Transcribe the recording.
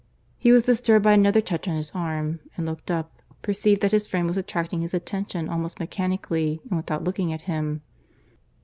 ... He was disturbed by another touch on his arm; and, looking up, perceived that his friend was attracting his attention almost mechanically, and without looking at him.